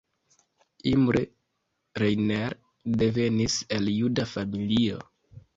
Imre Reiner devenis el juda familio.